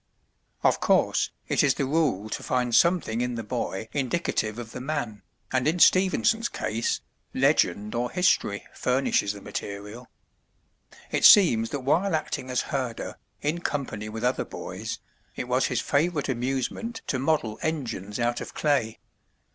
Of course, it is the rule to find something in the boy indicative of the man, and in Stephenson's case, legend or history furnishes the material. It seems that while acting as herder, in company with other boys, it was his favorite amusement to model engines out of clay.